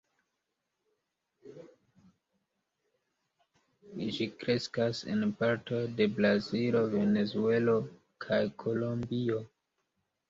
Ĝi kreskas en partoj de Brazilo, Venezuelo kaj Kolombio.